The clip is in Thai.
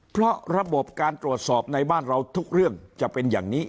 เพราะระบบการตรวจสอบในบ้านเราทุกเรื่องจะเป็นอย่างนี้